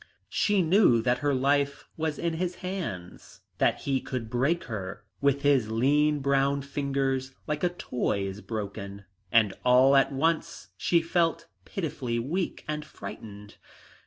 She knew that her life was in his hands, that he could break her with his lean brown fingers like a toy is broken, and all at once she felt pitifully weak and frightened.